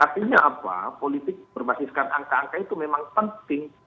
artinya apa politik berbasiskan angka angka itu memang penting